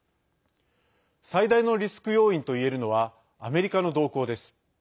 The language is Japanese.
最大のリスク要因といえるのはアメリカの動向です。